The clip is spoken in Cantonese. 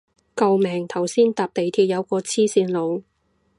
救命頭先搭地鐵有個黐線佬